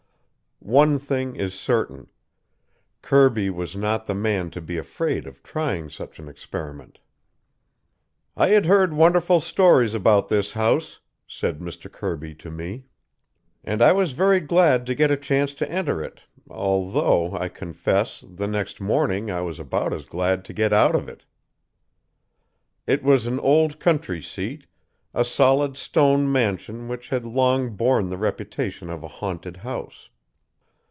One thing is certain: Kirby was not the man to be afraid of trying such an experiment. "I had heard wonderful stories about this house," said Mr. Kirby to me, "and I was very glad to get a chance to enter it, although, I confess, the next morning I was about as glad to get out of it." "It was an old country seat a solid stone mansion which had long borne the reputation of a haunted house.